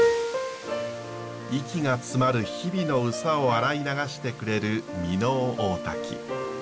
息が詰まる日々の憂さを洗い流してくれる箕面大滝。